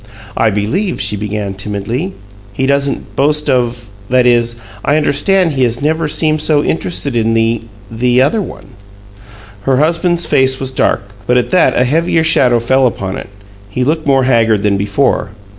"I believe," she began, timidly, "he doesn't boast of that is, I understand he has never seemed so interested in the the other one." Her husband's face was dark, but at that a heavier shadow fell upon it; he looked more haggard than before.